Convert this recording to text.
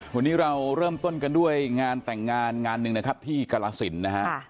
วันนี้เราเริ่มต้นกันด้วยงานแต่งงานงานหนึ่งนะครับที่กรสินนะฮะ